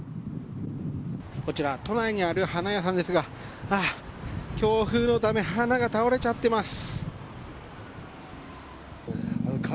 こちら都内にある花屋さんですが強風のため花が倒れちゃっています。